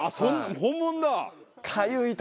本物だ！